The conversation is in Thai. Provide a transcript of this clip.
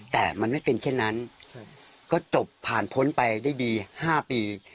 แต่มันไม่เป็นเช่นนั้นก็จบผ่านพ้นไปได้ดี๕ปี